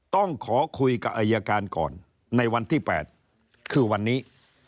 ต้องขอคุยกับอายการก่อนในวันที่๘คือวันนี้